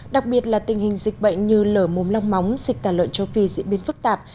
đặc biệt là tình hình dịch bệnh như lở mồm long móng dịch tả lợn châu phi diễn biến phức tạp